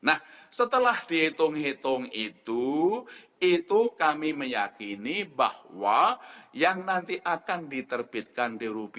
nah setelah dihitung hitung itu itu kami meyakini bahwa yang nanti akan diterbitkan di rupiah